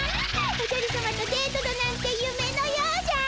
おじゃるさまとデートだなんて夢のようじゃ。